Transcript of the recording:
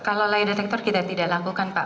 kalau lay detektor kita tidak lakukan pak